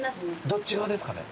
どっち側ですかね？